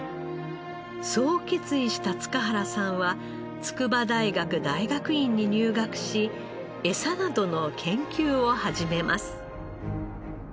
そう決意した塚原さんは筑波大学大学院に入学しエサなどの研究を始めます。